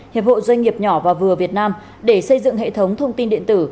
hiệp hội doanh nghiệp nhỏ và vừa việt nam để xây dựng hệ thống thông tin điện tử